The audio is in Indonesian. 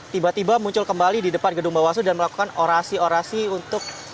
tiba tiba muncul kembali di depan gedung bawaslu dan melakukan orasi orasi untuk